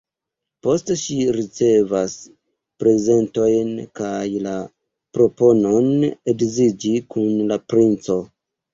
Poste ŝi ricevas prezentojn kaj la proponon edziĝi kun la princo.